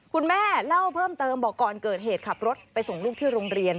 คุณแม่เล่าเพิ่มเติมบอกก่อนเกิดเหตุขับรถไปส่งลูกที่โรงเรียน